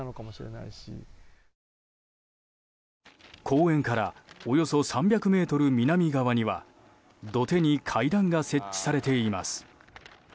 公園からおよそ３００ｍ南側には土手に階段が設置されています。